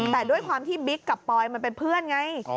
แต่ด้วยความที่บิ๊กกับปอยมันเป็นเพื่อนไง